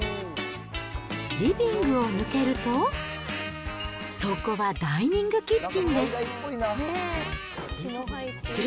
リビングを抜けると、そこはダイニングキッチンです。